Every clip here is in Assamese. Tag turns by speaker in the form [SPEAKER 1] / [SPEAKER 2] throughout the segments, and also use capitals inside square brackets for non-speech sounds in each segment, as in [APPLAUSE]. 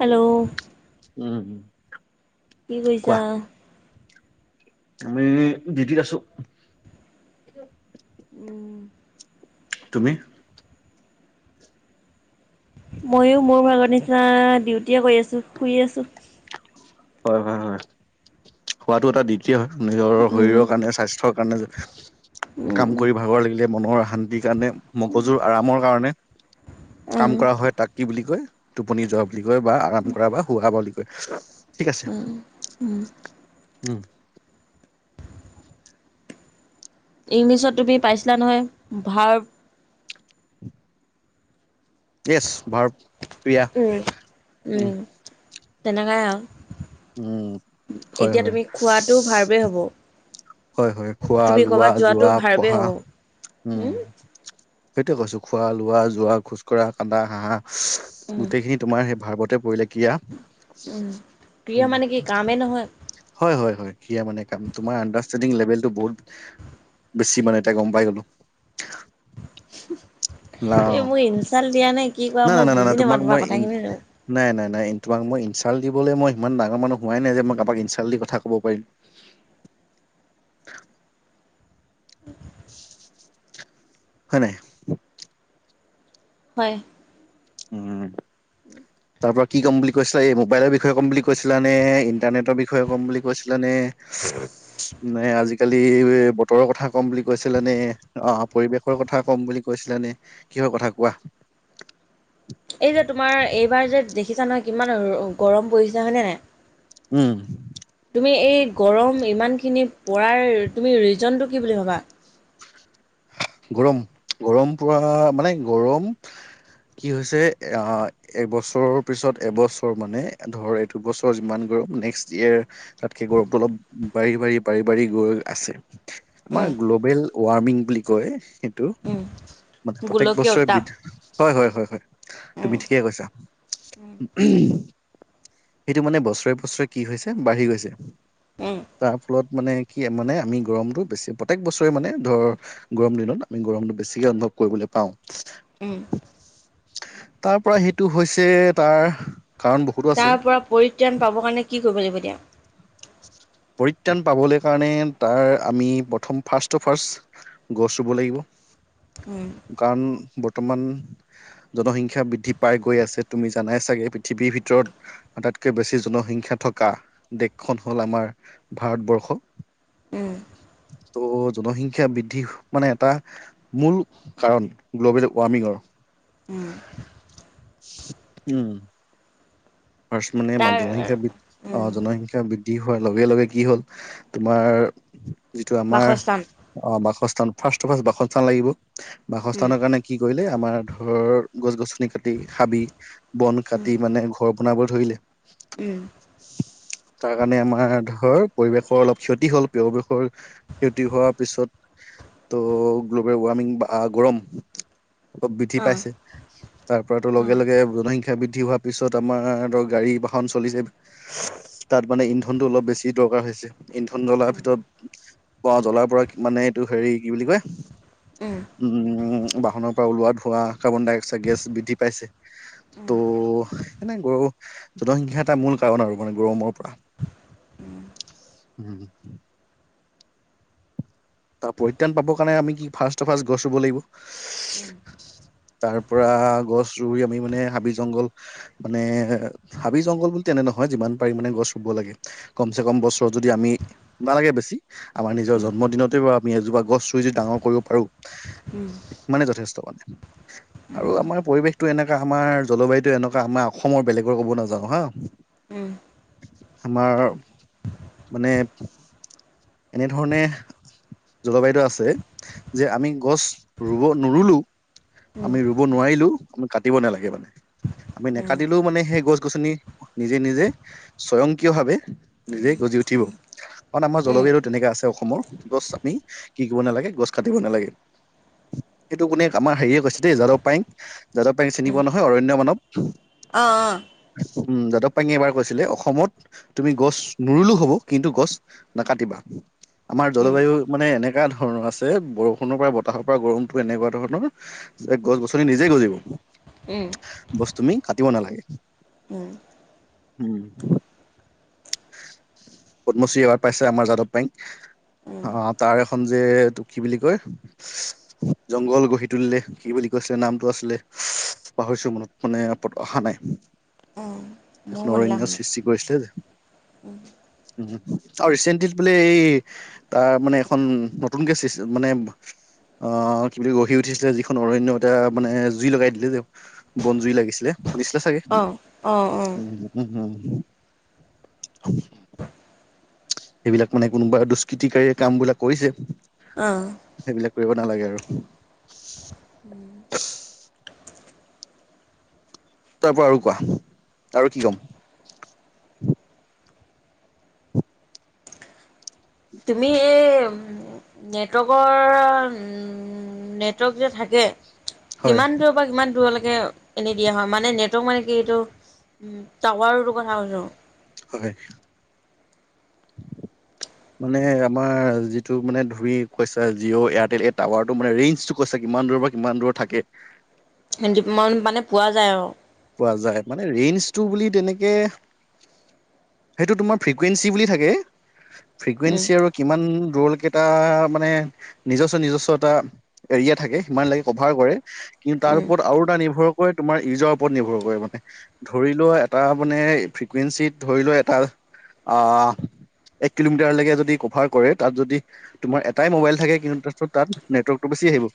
[SPEAKER 1] হেল্ল'
[SPEAKER 2] উম,
[SPEAKER 1] কি কৰিছা?
[SPEAKER 2] কোৱা আমি ডিউটিত আছোঁ।
[SPEAKER 1] উম,
[SPEAKER 2] তুমি?
[SPEAKER 1] ময়ো মোৰ ভাগৰ নিচিনা ডিউটিয়ে কৰি আছোঁ, শুই আছোঁ।
[SPEAKER 2] হয় - হয় -হয়, শুৱাটো এটা দিউতিয়ে হয় নিজৰ
[SPEAKER 1] উম,
[SPEAKER 2] শৰীৰৰ কাৰণে স্বাস্থ্য কাৰণে কাম
[SPEAKER 1] উম,
[SPEAKER 2] কৰি ভাগৰ লাগিলে মনৰ শান্তিৰ কাৰণে মগজুৰ আৰামৰ কাৰণে কাম
[SPEAKER 1] উম,
[SPEAKER 2] কৰা হয়, তাক বুলি কয়, টোপনি যোৱা বুলি কয়, বা আৰাম কৰা, বা শুৱো বুলি কয়। ঠিক আছে,
[SPEAKER 1] উম, উম।
[SPEAKER 2] উম,
[SPEAKER 1] ইংলিছত তুমি পাইছিলা নহয় ভাৰ্ব
[SPEAKER 2] য়েছ ভাৰ প্ৰিয়া
[SPEAKER 1] উম, উম, তেনেকাই
[SPEAKER 2] উম
[SPEAKER 1] আৰু
[SPEAKER 2] হয়
[SPEAKER 1] এতিয়া
[SPEAKER 2] হয়
[SPEAKER 1] তুমি খোৱাটো ভাৰ্ব এই হব।
[SPEAKER 2] হয়, হয়, খোৱা,
[SPEAKER 1] তুমি
[SPEAKER 2] লোৱা,
[SPEAKER 1] ক'ৰবাত যোৱাটো
[SPEAKER 2] যোৱা,
[SPEAKER 1] ভাৰ্বেই
[SPEAKER 2] পঢ়া
[SPEAKER 1] হ'ব।
[SPEAKER 2] উম, সেইটোয়ে কৈছোঁ খোৱা, লোৱা, যোৱা, খোজকঢ়া, কান্দা, হাঁহা।
[SPEAKER 1] উম,
[SPEAKER 2] গোটেইখিনি তোমাৰ সেই ভাৰ্বতে পৰিলে ক্ৰীয়া
[SPEAKER 1] উম, প্ৰিয় মানে কি কামে নহয়?
[SPEAKER 2] হয়, হয়, হয়, কিয়া মানে কাম তোমাৰ আ ষ্টেণ্ডিং লেভেলটো বহুত বেছি মানে এতিয়া গম পাই গ'লোঁ। না
[SPEAKER 1] এই মোৰ ইনচাল্ট দিয়া নে কি কৰা
[SPEAKER 2] নাই নাই
[SPEAKER 1] মই
[SPEAKER 2] নাই নাই
[SPEAKER 1] বুজি নাপাওঁ
[SPEAKER 2] তোমাক
[SPEAKER 1] তোমাৰ
[SPEAKER 2] মই ইন
[SPEAKER 1] কথাখিনি
[SPEAKER 2] নাই - নাই - নাই, তোমাক মই ইনচাল্ট দিবলৈ মই ইমান ডাঙৰ মানুহ হোৱাই নাই যে মই কাৰোবাক ইনচাল্ট দি ক'ব পাৰিম। হয় নাই?
[SPEAKER 1] হয়।
[SPEAKER 2] উম, তাৰ পৰা কি ক'ম বুলি কৈছিলা এই মোবাইলৰ বিষয়ে ক'ম বুলি কৈছিলানে ইণ্টাৰনেটৰ বিষয়ে ক'ম বুলি কৈছিলানে নে আজিকালি বতৰৰ কথা কম বুলি কৈছিলে নে অ' পৰিৱেশ কথা ক'ম বুলি কৈছিলানে কিহৰ কথা কোৱা।
[SPEAKER 1] এই যে তোমাৰ এইবাৰ যে দেখিছা নহয় কিমান গৰম পৰিছে হয়নে নাই।
[SPEAKER 2] উম,
[SPEAKER 1] তুমি এই গৰম ইমানখিনি পৰাৰ তুমি ৰিজনটো কি বুলি ভাবা?
[SPEAKER 2] গৰম - গৰম পৰা মানে গৰম কি হৈছে আ, এবছৰৰ পিছত, এবছৰ মানে ধৰ এইটো বছৰ যিমান গৰম নেক্সট ইয়েৰ তাতকে গৰমটো অলপ বাঢ়ি - বাঢ়ি - বাঢ়ি - বাঢ়ি গৈ আছে আমাৰ
[SPEAKER 1] উম,
[SPEAKER 2] গ্ল'বেল ৱাৰ্মিং বুলি কয়, সেইটো
[SPEAKER 1] উম,
[SPEAKER 2] মানে প্ৰতেক
[SPEAKER 1] গোলকীয়
[SPEAKER 2] বছৰে বি
[SPEAKER 1] উত্তাপ।
[SPEAKER 2] হয়, হয়, হয়, হয়, তুমি
[SPEAKER 1] উম,
[SPEAKER 2] ঠিকে কৈছা। সেইটো মানে বছৰে বছৰে কি হৈছে বাঢ়ি গৈছে।
[SPEAKER 1] উম,
[SPEAKER 2] তাৰ ফলত মানে কি মানে আমি গৰমটো বেছি প্ৰত্যেক বছৰে মানে ধৰ গৰম দিনত আমি গৰমটো বেছিকে অনুভৱ কৰিবলৈ পাওঁ।
[SPEAKER 1] উম,
[SPEAKER 2] তাৰ পৰা সেইটো হৈছে তাৰ কাৰণ বহুত
[SPEAKER 1] তাৰ পৰা পৰিত্ৰাণ পাবৰ কাৰণে কি কৰিব লাগিব এতিয়া?
[SPEAKER 2] পৰিত্ৰাণ পাবলৈ কাৰণে তাৰ আমি প্ৰথম ফাৰ্ষ্টটটো ফাৰ্ষ্ট গছ ৰুব লাগিব
[SPEAKER 1] উম,
[SPEAKER 2] কাৰণ বৰ্তমান জনসংখ্যা বৃদ্ধি পাই গৈ আছে তুমি জানাই চাগে পৃথিৱীৰ ভিতৰত আটাইতকৈ বেছি জনসংখ্যা থকা দেশখন হ'ল আমাৰ। ভাৰতবৰ্ষ,
[SPEAKER 1] উম,
[SPEAKER 2] ত' জনসংখ্য বৃদ্ধি মানে এটা মূল কাৰণ, গ্ল'বেল ৱাৰ্মিঙৰ।
[SPEAKER 1] উম
[SPEAKER 2] উম' ফাৰ্ষ্ট মানে
[SPEAKER 1] তাৰ
[SPEAKER 2] জনসংখ্যা,
[SPEAKER 1] উম,
[SPEAKER 2] জনসংখ্যা বৃদ্ধি হোৱাৰ লগে লগে কি হ'ল তোমাৰ যিটো আমাৰ,
[SPEAKER 1] বাসস্থান।
[SPEAKER 2] অ' বাসস্থান ফাৰ্ষ্ট ফাৰ্ষ্ট বাসস্থান লাগিব।
[SPEAKER 1] উম,
[SPEAKER 2] বাসস্থানৰ কাৰণে কি কৰিলে, আমাৰ ধৰ গছ গছনি কাটি হাবি বন
[SPEAKER 1] উম,
[SPEAKER 2] কাটি মানে ঘৰ বনাব ধৰিলে
[SPEAKER 1] উম,
[SPEAKER 2] তাৰ কাৰণে আমাৰ ধৰ পৰিৱেশৰ অলপ ক্ষতি হ'ল, পৰিৱেশৰ ক্ষতি হোৱাৰ পিছত ত' গ্ল'বেল ৱাৰ্মিং বা গৰম, বৃদ্ধি
[SPEAKER 1] অ',
[SPEAKER 2] পাইছে। তাৰ পৰাতো লগে
[SPEAKER 1] অ',
[SPEAKER 2] লগে জনসংখ্যা বৃদ্ধি হোৱাৰ পিছত আমাৰ ধৰ গাড়ী বাহন চলিছে তাত মানে ইন্ধনতটো অলপ বেছি দৰকাৰ হৈছে, ইন্ধন জ্বলাৰ
[SPEAKER 1] উম,
[SPEAKER 2] ভিতৰত জ্বলাৰ পৰা মানে এইটো হেৰি কি বুলি কয়
[SPEAKER 1] উম,
[SPEAKER 2] উম' বাহনৰ পৰা ওলোৱা ধুৱা, কাৰ্বন ডাই অক্সাইড গেছ বৃদ্ধি পাইছে।
[SPEAKER 1] উম, উম,
[SPEAKER 2] তো জনসংখ্যা এটা মূল কাৰণ আৰু মানে গৰমৰ পৰা।
[SPEAKER 1] উম,
[SPEAKER 2] উম'
[SPEAKER 1] [INAUDIBLE]
[SPEAKER 2] তা পৰিত্ৰাণ পাব কাৰণে আমি কি ফাৰ্ষ্ট ফাৰ্ষ্ট গছ ৰুব লাগিব
[SPEAKER 1] উম, উম,
[SPEAKER 2] তাৰপৰা গছ ৰুই আমি মানে, হাবি জংঘল মানে হাবি জংঘল বুলি তেনে নহয়, যিমান পাৰি মানে গছ ৰুব লাগে কমচে কম বছৰত যদি আমি নালাগে বেছি, আমাৰ নিজৰ
[SPEAKER 1] উম,
[SPEAKER 2] জন্মদিনতেই বাৰু আমি এজোপা গছ ৰুই যদি ডাঙৰ কৰিব পাৰোঁ
[SPEAKER 1] উম'
[SPEAKER 2] ইমানে যথেষ্ট মা, নে
[SPEAKER 1] উম,
[SPEAKER 2] আৰু আমাৰ পৰিৱেশটো এনেকা আমাৰ জলবায়ুটো এনেকুৱা, আমাৰ অসমৰ বেলেগৰ ক'ব নাযাওঁ হা
[SPEAKER 1] উম'
[SPEAKER 2] আমাৰ মানে এনেধৰণে জলবায়ুটো আছে, যে আমি গছ ৰুব নৰুলো
[SPEAKER 1] উম, উম,
[SPEAKER 2] আমি ৰুব নোৱাৰিলেও আমি কাটিব নালাগে মানে কাটিলেও মানে সেই গছ গছনি নিজে নিজে, স্বয়ংকিয় ভাৱে নিজে গজি উঠিব, কাৰণ আমাৰ জলবায়ুত তেনেকা আছে অসমৰ, গছ আমি কি কৰিব নালাগে, গছ কাটিব নালাগে সেইটো কোনে আমাৰ হেৰিয়ে কৈছে দেই, যাদৱ পায়েং, যাদৱ পায়েং চিনি পোৱা নহয়, অৰণ্য মানৱ
[SPEAKER 1] অ', অ'
[SPEAKER 2] উম' যাদৱ পায়েঙে এবাৰ কৈছিলে, অসমত তুমি গছ নৰুলো হব, কিন্তু গছ নাকাটিবা। আমাৰ
[SPEAKER 1] উম,
[SPEAKER 2] জলবায়ু মানে এনেকুৱা ধৰণৰ আছে, বৰষুণৰ পৰা বতাহৰ পৰা গৰমতো এনেকুৱা ধৰণৰ যে গছ গছনি নিজেই গজিব
[SPEAKER 1] উম'
[SPEAKER 2] বচ তুমি কাটিব নালাগে।
[SPEAKER 1] উম'
[SPEAKER 2] উম' পদ্মশ্ৰী এৱাৰ্ড পাইছে আমাৰ যাদৱ পায়েং।
[SPEAKER 1] উম,
[SPEAKER 2] অ' তাৰ এখন যে কি বুলি কয়? জংঘল গঢ়ি তুলিলে, কি বুলি কৈছিলে নামটো আছিলে পাহৰিছো মনত মানে অহা নাই,
[SPEAKER 1] উম, মোৰ
[SPEAKER 2] এখন
[SPEAKER 1] মনলে আহা
[SPEAKER 2] অৰণ্য
[SPEAKER 1] নাই।
[SPEAKER 2] সৃষ্টি কৰিছিলে যে
[SPEAKER 1] [INAUDIBLE]
[SPEAKER 2] আৰু ৰিচেণ্টলি বোলে এই তাৰ মানে এখন নতুনকে চিচ মানে আহ কি বুলি গঢ়ি উঠিছিলে যিখন অৰন্য এটা মানে জুই লগাই দিলে যে। বনজুই লাগিছিলে শুনিছিলা চাগে।
[SPEAKER 1] অ অ অ
[SPEAKER 2] উম উম হুম। [INAUDIBLE] সেইবিলাক মানে কোনোবা দুষ্কৃতিকাৰীয়ে কামবিলাক কৰিছে।
[SPEAKER 1] অ।
[SPEAKER 2] সেইবিলাক কৰিব নালাগে আৰু।
[SPEAKER 1] হম।
[SPEAKER 2] তাৰ পৰা আৰু কোৱা আৰু কি ক'ম?
[SPEAKER 1] তুমি এই নেটৱৰ্কৰ নেটৱৰ্ক যে থাকে,
[SPEAKER 2] হয়
[SPEAKER 1] কিমান কিমান দূৰলৈকে এনি দিয়া হয়, মানে নেটৱৰ্ক মানে কি এইটো উম টাৱাৰো কথা কৈছো।
[SPEAKER 2] হয়।
[SPEAKER 1] [INAUDIBLE]
[SPEAKER 2] মানে আমাৰ যিটো মানে ধৰি কৈছা জিঅ' এয়াৰটেল এই টাৱাৰ টো মানে ৰেঞ্জটু কৈছা কিমান দূৰ পৰা কিমান দূৰ থাকে।
[SPEAKER 1] মানে পোৱা যায় আৰু।
[SPEAKER 2] পোৱা যায়। মানে ৰেঞ্জটো বুলি তেনেকে সেইটো তোমাৰ ফ্ৰিকুৱেঞ্চি বুলি থাকে,
[SPEAKER 1] উম,
[SPEAKER 2] ফ্ৰিকুৱেঞ্চি আৰু কিমান দূৰলৈকেইটা মানে নিজস্ব নিজস্ব এটা এৰিয়া থাকে সিমান লাগে কভাৰ কৰে। কিন্তু তাৰ
[SPEAKER 1] উম,
[SPEAKER 2] ওপৰত আৰু এটা নিৰ্ভৰ কৰে তোমাৰ ইউৰ ওপৰত নিৰ্ভৰ কৰে মানে। ধৰি লোৱা এটা মানে ফ্ৰিকুৱেঞ্চিত ধৰি লোৱা এটা আহ এক কিলোমিটাৰলৈকে যদি কভাৰ কৰে তাত যদি তোমাৰ এটাই মোবাইল থাকে কিন্তু তাৰছত তাত নেটৱৰ্কটো বেছি আহিব।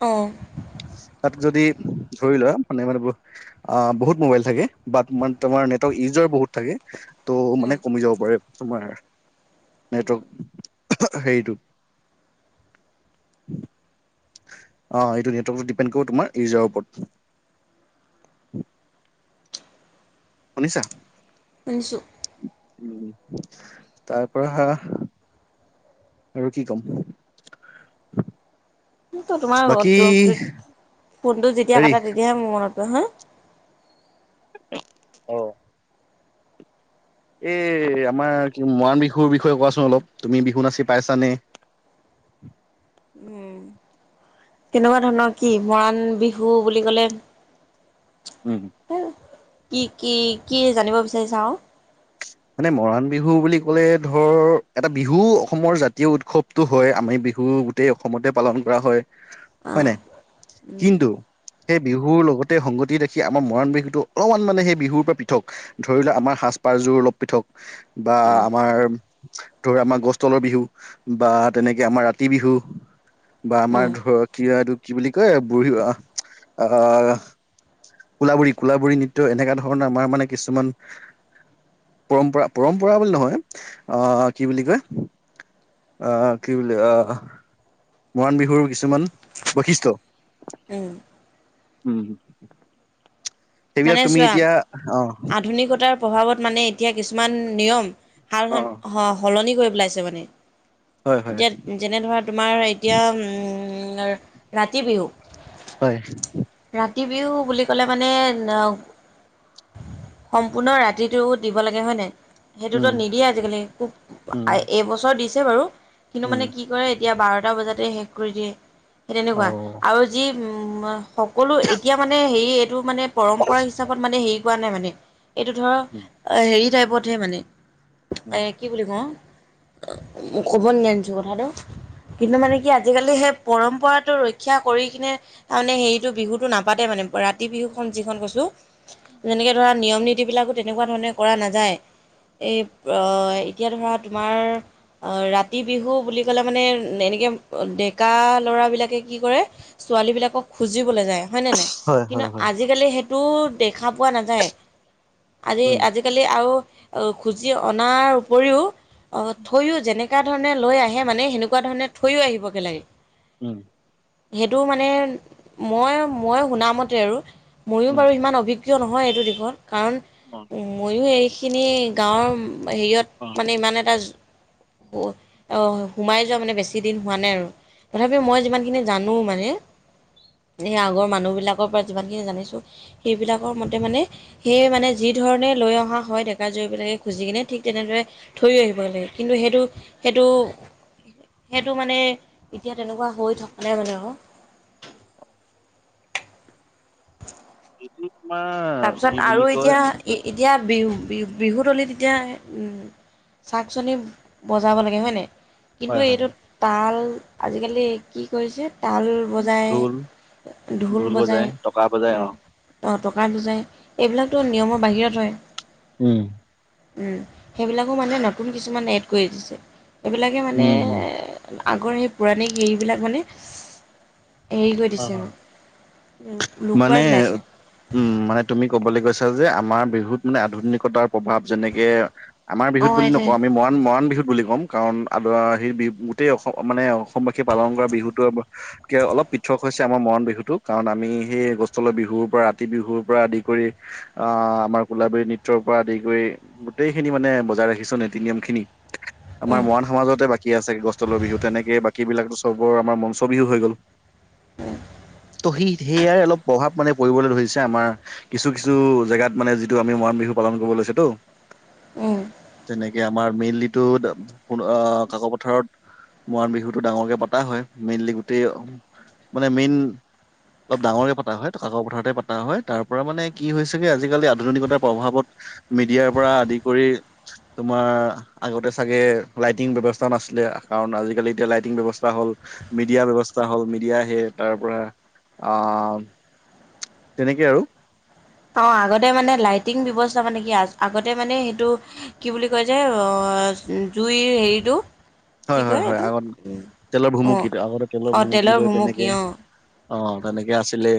[SPEAKER 1] অ।
[SPEAKER 2] তাত যদি ধৰি লোৱা মানে মানে অ বহুত মোবাইল থাকে, বাাট মানে তোমাৰ নেটৰ ইজৰ বহুত থাকে, ত'
[SPEAKER 1] উম,
[SPEAKER 2] মানে কমি যাব পাৰে তোমাৰ নেটৱৰ্ক হেৰিটোত। অ এইটো নেটৱৰ্কত ডিপেণ্ড কৰো তোমাৰ ইউজাৰৰ ওপৰত। শুনিছা?
[SPEAKER 1] শুনিছো।
[SPEAKER 2] উম তাৰপৰা আৰু কি কম?
[SPEAKER 1] ত তোমাৰ
[SPEAKER 2] বাকী
[SPEAKER 1] ফোনটো যেতিয়া
[SPEAKER 2] হেৰি
[SPEAKER 1] কটা তেতিয়াহে মোৰ মনত পৰে হ
[SPEAKER 2] অ। এ আমাৰ কি মৰাণ বিহুৰ বিষয়ে কোৱাচোন অলপ, তুমি বিহু নাচি পাইছানে?
[SPEAKER 1] উম। তেনেকুৱা ধৰণৰ কি মৰাণ বিহু বুলি কলে
[SPEAKER 2] উম।
[SPEAKER 1] কি কি কি জানিব বিচাৰিছা আৰু?
[SPEAKER 2] মানে মৰাণ বিহু বুলি ক'লে ধৰ এটা বিহু অসমৰ জাতীয় উৎসৱ টো হয়, আমিবিহু গোটেই অসমতে পালন কৰা হয়। হয় ন?
[SPEAKER 1] অ', উম,
[SPEAKER 2] কিন্তু সেই বিহুৰ লগতে সংগতি ৰাখি আমাৰ মৰাণ বিহুতটো অলপমান মানে সেই বিহুৰ পৰা পৃথক। ধৰি লোৱা আমাৰ সাজ পাৰযোৰ অলপ পৃথক বা
[SPEAKER 1] উম,
[SPEAKER 2] আমাৰ ধৰ আমাৰ গছ তলৰ বিহু বা তেনেকে আমাৰ ৰাতি বিহু বা
[SPEAKER 1] উম,
[SPEAKER 2] আমাৰ ধৰক কি এইটো কি বুলি কয়, বুঢ়ী অ আহ কোলাবুৰী কোলাবুৰী নৃত্য এনেকুৱা ধৰণৰ আমাৰ মানে কিছুমান পৰম্পৰা পৰম্পৰা বুলি নহয় আহ কি বুলি কয় অ', কি বুলিল অ'। মৰাণ বিহুৰ কিছুমান বৈশিষ্ট্য
[SPEAKER 1] উম,
[SPEAKER 2] উ, সেইবিলাক
[SPEAKER 1] মানে
[SPEAKER 2] তুমি
[SPEAKER 1] চোৱা
[SPEAKER 2] এতিয়া অ'।
[SPEAKER 1] আধুনিকতাৰ প্ৰভাৱত মানে এতিয়া কিছুমান নিয়ম সাল
[SPEAKER 2] অ
[SPEAKER 1] স স সলনি কৰি পেলাইছে মানে
[SPEAKER 2] হয় হয়
[SPEAKER 1] এতিয়া যেনে ধৰা তোমাৰ এতিয়া উম ৰাতি বিহু
[SPEAKER 2] হয়।
[SPEAKER 1] ৰাতি বিহু বুলি ক'লে মানে সম্পূৰ্ণ ৰাতিটো দিব লাগে হয় নাই সেইটোতো
[SPEAKER 2] উম
[SPEAKER 1] নিদিয়ে আজিকালি খুব
[SPEAKER 2] উম
[SPEAKER 1] এবছৰ দিছে বাৰু কিন্তু
[SPEAKER 2] উম
[SPEAKER 1] মানে কি কি কৰে এতিয়া বাৰটা বজাতে শেষ কৰি দিয়ে সেই
[SPEAKER 2] অ
[SPEAKER 1] তেনেকুৱা আৰু যি সকলো এতিয়া মানে হেৰি এইটো মানে পৰম্পৰা হিচাপত মানে হেৰি কৰা নাই মানে এইটো ধৰ
[SPEAKER 2] উম
[SPEAKER 1] হেৰি টাইপতহে মানে
[SPEAKER 2] উম
[SPEAKER 1] এ কি বুলি কওঁ মোক কব নি আনিছো কথাটো কিন্তু মানে কি আজিকালি সেই পৰম্পৰাটো ৰক্ষা কৰি কিনে তাৰমানে হেৰিটো বিহুটো নাপাতে মানে ৰাতি বিহুখন যিখন কৈছোঁ যেনেকে ধৰা নিয়ম নীতিবলাকো তেনেকুৱা ধৰণে কৰা নাযায় এই এতিয়া ধৰা তোমাৰ আহ ৰাতি বিহু বুলি কলে মানে এনেকে ডেকা ল'ৰা বিলাকে কি কৰে ছোৱালী বিলাকক খুজিবলৈ যায়। হয়নে নাই
[SPEAKER 2] হয়
[SPEAKER 1] কিন্তু
[SPEAKER 2] হয় হয়
[SPEAKER 1] আজিকালি সেইটো দেখা পোৱা নাযায় আজি
[SPEAKER 2] উম
[SPEAKER 1] আজি আজিকালি আৰু খুজি অনাৰ উপৰিও অ', থৈ যেনেকুৱা ধৰণে লৈ আহে মানে সেনেকুৱা ধৰণে থৈ আহিব কে লাগে।
[SPEAKER 2] উম।
[SPEAKER 1] সেইটো মানে মই, মই শুনা মতে আৰু ময়ও
[SPEAKER 2] উম
[SPEAKER 1] বাৰু সিমান অভিজ্ঞ কিয় নহয় এইটো দিশত কাৰণ
[SPEAKER 2] উ
[SPEAKER 1] ময়ো এইখিনি গাঁৱৰ
[SPEAKER 2] অ
[SPEAKER 1] হেৰিয়ত মানে ইমান এটা সোমাই যোৱা মানে বেছি দিন হোৱা নাই আৰু তথাপি মই যিমান খিনি জানো মানে স আগৰ মানুহ বিলাকৰ পৰা যিমান জানিছোঁ সেইবিলাকৰ মতে মানে সেইয়ে মানে যি ধৰণে লৈ অহা হয় ডেকা জয়বিলাকে খুজি কিনে ঠিক তেনেদৰে থৈ আহিব লাগে কিন্তু সেইটো সেইটো সেইটো মানে এতিয়া তেনেকুৱা হৈ থকা নাই মানে আৰু উ [UNINTELLIGIBLE]
[SPEAKER 2] এইটো তোমাৰ কি বুলি কয়
[SPEAKER 1] এতিয়া বিহু, বিহু বিহুতলীত এতিয়া চাক চনি বজাব লাগে হয়নে কিন্তু
[SPEAKER 2] হয় হয়
[SPEAKER 1] এইটোত তাল আজিকালি কি কৰিছে তাল
[SPEAKER 2] ঢোল
[SPEAKER 1] বজায় ঢোল বজায়
[SPEAKER 2] বজাই টকা বজাই অ
[SPEAKER 1] টকা পজাই এইবিলাকতো নিয়মৰ বাহিৰত হয়।
[SPEAKER 2] উম।
[SPEAKER 1] সেইবিলাকো মানে নতুন কিছুমান এড কৰি দিছে। এইবিলাকে মানে
[SPEAKER 2] উম উম
[SPEAKER 1] আগৰ সেই পৌৰাণিক হেৰিবিলাক মানে এৰি কৰি দিছে আৰু লুকুৱাই
[SPEAKER 2] মানে
[SPEAKER 1] পেলাইছে।
[SPEAKER 2] উম, মানে তুমি ক'বলৈ গৈছা যে আমাৰ বিহুত মানে আধুনিকতাৰ প্ৰভাৱ যেনেকে আমাৰ বিহু
[SPEAKER 1] অ'
[SPEAKER 2] বুলি
[SPEAKER 1] এইটোৱে
[SPEAKER 2] নকওঁ আমি মৰাণ মৰাণ বিহুত বুলি ক'ম। কাৰণ আদ সি বিহু গোটেই অসম মানে অসমবাসীয়ে পালন কৰা বিহুতোকে অলপ পৃথক হৈছে আমাৰ মৰাণ বিহুতটো কাৰণ আমি সেই গছ‌ তলৰ বিহুৰ পৰা ৰাতি বিহুৰ পৰা আদি কৰি আহ, আমাৰ কোলাবলী নৃত্যৰ পৰা আদি কৰি গোটেই খিনি মানে বজাই ৰাখিছ নীতি-নিয়ম খিনি। আমাৰ
[SPEAKER 1] উম,
[SPEAKER 2] মৰাণ সমাজতে বাকী আছে গছৰ তলৰ বিহু, তেনেকে বাকী বিলীকৰ চবৰ আমাৰ মঞ্চ বিহু হৈ গ'ল।
[SPEAKER 1] উম,
[SPEAKER 2] ত' সেই সেয়াই, অলপ প্ৰভাৱ মানে পৰিবলৈ ধৰিছে আমাৰ কিছু কিছু জেগাত মানে যিটো আমি মৰাণ বিহু পালন কৰিব লৈছেটো।
[SPEAKER 1] উম।
[SPEAKER 2] যেনেকে আমাৰ মেইনলিটো কাক' পথাৰত মৰাণ বিহুতটো ডাঙৰকে পতা হয়, মেইনলি গোটেই মানে মেইন অলপ ডাঙৰকে পতা হয়, কাকৰ পথাৰতে পতা হয়, তাৰ পৰা মানে কি হৈছেগে আজিকালি আধুনিকতাৰ প্ৰভাৱত মিডিয়াৰ পৰা আদি কৰি তোমাৰ আগতে চাগে লাইটিং ব্যৱস্থা নাছিলে, কাৰণ আজিকালি এতিয়া লাইটিং ব্যৱস্থা হ'ল মিডিয়া ব্যৱস্থা হ'ল দিয়া হে, তাৰ পৰা আহ, তেনেকে আৰু।
[SPEAKER 1] আহ, আগতে মানে লাইটিং ব্যৱস্থা মানে কি আগতে মানে সেইটো কি বুলি কয় যে, জুইৰ হেৰিটো কি
[SPEAKER 2] হয় হয়
[SPEAKER 1] কয়
[SPEAKER 2] হয়,
[SPEAKER 1] এইটো
[SPEAKER 2] আগত তেলৰ
[SPEAKER 1] অ
[SPEAKER 2] ভুমুকিো আগতে তেলৰ
[SPEAKER 1] অ
[SPEAKER 2] ভুমুকি লৈ
[SPEAKER 1] ভুমুকি
[SPEAKER 2] তেনেকে
[SPEAKER 1] অ
[SPEAKER 2] অ', তেনেকে আছিলে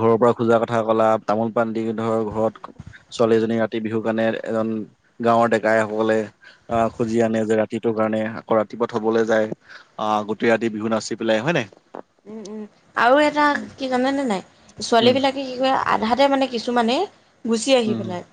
[SPEAKER 2] ঘৰৰ পৰা খোজা কথা কলা, তামোল পাণ দি ধৰ ঘৰত ছোৱালীজনী ৰাতি বিহু কাৰণে এজন গাঁৱৰ ডেকাই সকলে আহ খুজি আনে যে ৰাতি সেইটো কাৰণে, আকৌ ৰাতিপুৱা থ'বলৈ যায়, আহ গোটেই ৰাতি বিহু নাচি পেলাই হয় নে নহয়?
[SPEAKER 1] উম উম, আৰু এটা কি জানে নে নাই ছোৱালী
[SPEAKER 2] উম
[SPEAKER 1] বিলাক কি কৰে, আধাতে মানে কিছুমানে গুচি আহি
[SPEAKER 2] উম
[SPEAKER 1] পেলাই